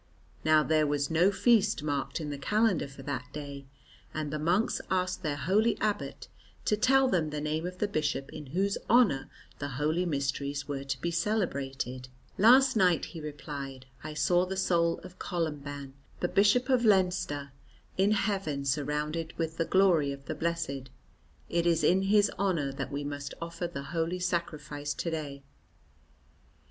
Now there was no feast marked in the calendar for that day, and the monks asked their holy abbot to tell them the name of the bishop in whose honour the Holy Mysteries were to be celebrated. "Last night," he replied, "I saw the soul of Columban, the Bishop of Leinster, in heaven, surrounded with the glory of the blessed; it is in his honour that we must offer the Holy Sacrifice to day."